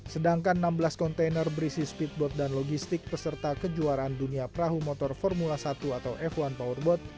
sedangkan enam belas kontainer berisi speedboat dan logistik peserta kejuaraan dunia perahu motor formula satu atau f satu powerboat